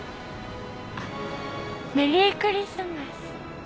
メリークリスマス。